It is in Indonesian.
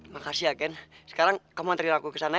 makasih ya ken sekarang kamu antriin aku kesana ya